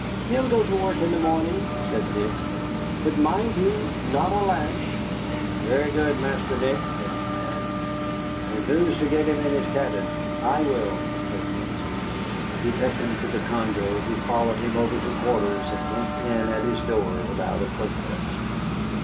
"He will go to work in the morning," said Nick; "but mind you, not a lash." "Very good, Master Nick," said the man; "but who's to get him in his cabin?" "I will," said Nick. He beckoned to the Congo, who followed him over to quarters and went in at his door without a protest.